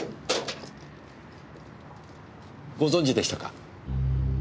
ご存じでしたか。